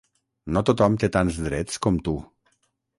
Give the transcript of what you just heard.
No tothom té tants drets com tu.